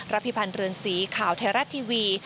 พิพันธ์เรือนสีข่าวไทยรัฐทีวี